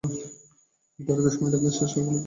নির্ধারিত সময়ের আগেই শুরু হয়ে গেল তুমুল যুদ্ধ।